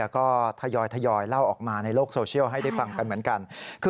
ก็ทยอยเล่าออกมาในโลกโซเชียลให้ได้ฟังกันเหมือนกัน